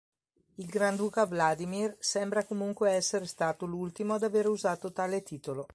Il granduca Vladimir sembra comunque essere stato l'ultimo ad avere usato tale titolo.